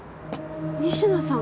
仁科さん。